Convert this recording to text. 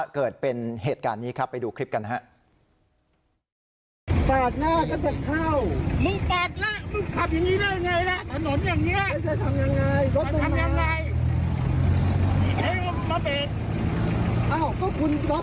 เกิดเป็นเหตุการณ์นี้ครับไปดูคลิปกันนะครับ